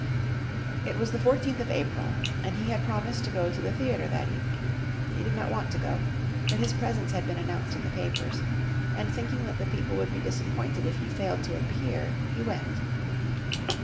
It was the 14th of April and he had promised to go to the theatre that evening. He did not want to go, but his presence had been announced in the papers, and thinking that the people would be disappointed if he failed to appear, he went.